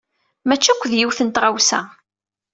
Mačči akk d yiwet n tɣawsa.